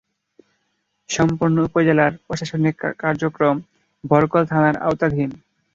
সম্পূর্ণ উপজেলার প্রশাসনিক কার্যক্রম বরকল থানার আওতাধীন।